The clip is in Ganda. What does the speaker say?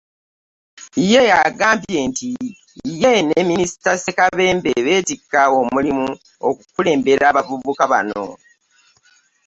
Ye agambye nti ye ne Minisita Ssekabembe beetikka omulimu okukulembera abavubuka bano